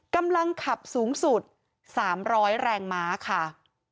กำลังขับสูงสุด๓๐๐แรงม้าค่ะ